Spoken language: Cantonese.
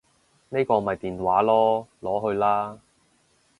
呢個咪電話囉，攞去啦